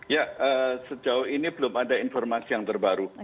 ya sejauh ini belum ada informasi yang terbaru